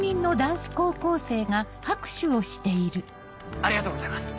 ありがとうございます。